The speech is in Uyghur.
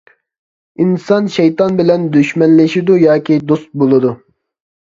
ئىنسان شەيتان بىلەن دۈشمەنلىشىدۇ ياكى دوست بولىدۇ.